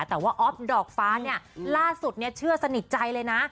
แต่ว่าอ๊อฟดอกฟ้าล่าสุดเชื่อสนิทใจเลยนะ